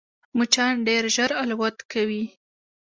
مچان ډېر ژر الوت کوي